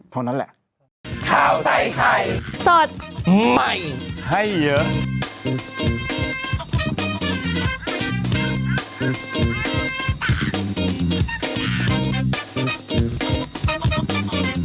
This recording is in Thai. เท่านั้นแหละ